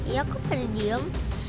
iya kok pada diem